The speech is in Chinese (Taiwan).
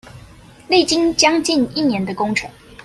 歷經將近一年的工程